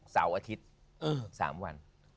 เสาร์อาทิตย์๓วัน